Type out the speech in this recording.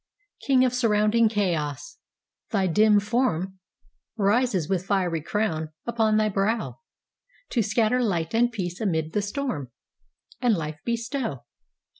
King of surrounding chaos! thy dim formRises with fiery crown upon thy brow, To scatter light and peace amid the storm, And life bestow.